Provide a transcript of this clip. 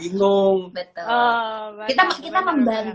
kita membantu klien agar lebih